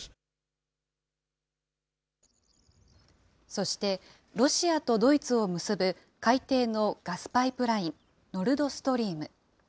そしてロシアとドイツを結ぶ海底のガスパイプライン、ノルドストリーム。